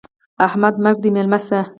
احمده! مرګ دې مېلمه سه.